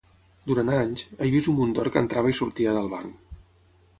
Durant anys, ha vist un munt d'or que entrava i sortia del banc.